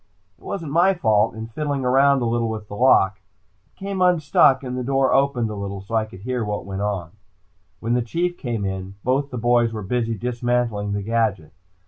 It wasn't my fault, in fiddling around a little with the lock, it came unstuck and the door opened a little so I could hear what went on. When the Chief came in, both the boys were busy dismantling the gadget.